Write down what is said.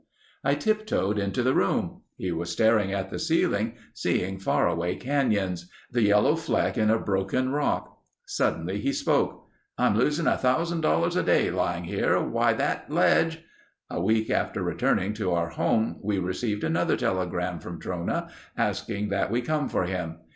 I tiptoed into the room. He was staring at the ceiling, seeing faraway canyons; the yellow fleck in a broken rock. Suddenly he spoke: "I'm losing a thousand dollars a day lying here. Why, that ledge—" A week after returning to our home we received another telegram from Trona asking that we come for him.